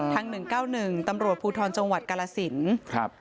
๑๙๑ตำรวจภูทรจังหวัดกาลสินครับ